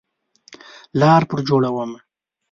لار پر جوړومه